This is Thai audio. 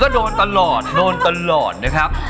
ก็โดนตลอดโดนตลอดนะครับ